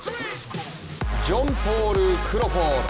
ジョン・ポール・クロフォード。